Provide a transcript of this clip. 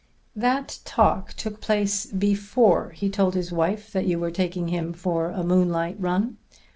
"That talk took place before he told his wife that you were taking him for a moonlight run.